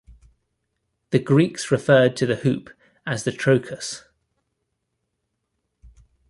The Greeks referred to the hoop as the "trochus".